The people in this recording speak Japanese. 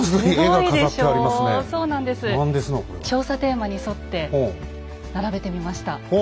調査テーマに沿って並べてみました。